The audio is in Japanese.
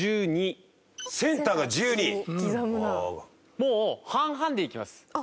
もう半々でいきます。